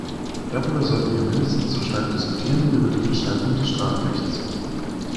Darüber sollten wir mindestens so stark diskutieren wie über die Verschärfung des Strafrechts.